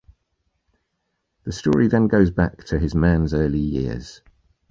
The story then goes back to his man's early years.